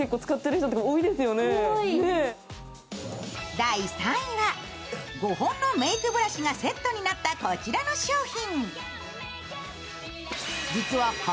第３位は５本のメイクブラシがセットになったこちらの商品。